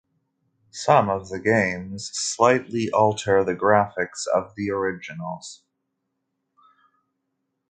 Some of the games slightly alter the graphics of the originals.